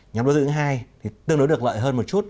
nhóm đối tượng thứ hai thì tương đối được lợi hơn một chút